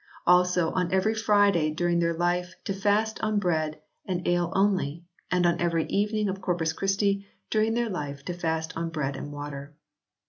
Also on every Friday during their life to fast on bread and ale only, and on every evening of Corpus Christi during their life to fast on bread and water.